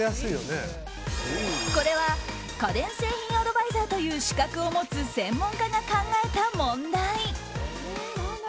これは家電製品アドバイザーという資格を持つ専門家が考えた問題。